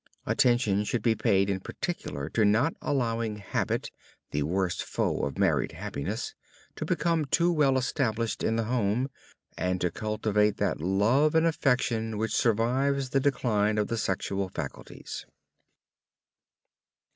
Attention should be paid in particular to not allowing habit, "the worst foe of married happiness," to become too well established in the home, and to cultivate that love and affection which survives the decline of the sexual faculties.